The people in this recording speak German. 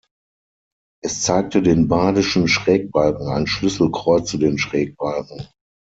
Es zeigte den badischen Schrägbalken, ein Schlüssel kreuzte den Schrägbalken.